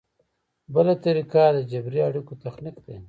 بله طریقه د جبري اړیکو تخنیک دی.